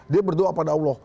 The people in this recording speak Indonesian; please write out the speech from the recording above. dia berdoa pada allah